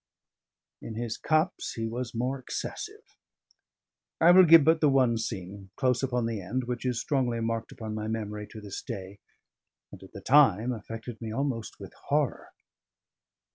In his cups, he was more excessive. I will give but the one scene, close upon the end, which is strongly marked upon my memory to this day, and at the time affected me almost with horror.